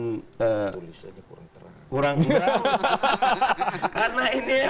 tulis aja kurang terang